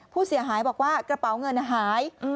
ผู้เสียหายบอกว่ากระเป๋าเงินหาย